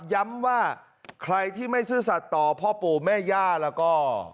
ย้ำว่าใครที่ไม่ซื่อสัตว์ต่อพ่อปู่แม่ย่าแล้วก็